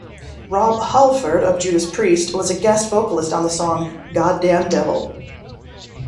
Rob Halford of Judas Priest was a guest vocalist on the song "Goddamn Devil".